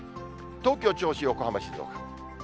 東京、銚子、横浜、静岡。